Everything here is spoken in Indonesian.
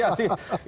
ini masih terkesima